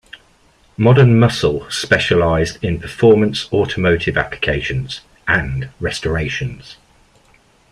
Modern Muscle specialized in performance automotive applications, and restorations.